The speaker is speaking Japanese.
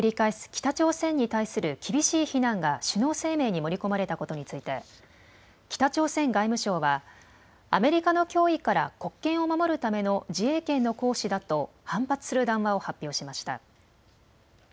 北朝鮮に対する厳しい非難が首脳声明に盛り込まれたことについて北朝鮮外務省はアメリカの脅威から国権を守るための自衛権の行使だと反発する談話を発表しました。